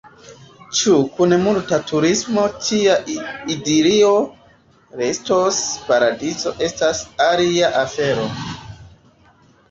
Ĉu kun multa turismo tia idilio restos paradizo, estas alia afero.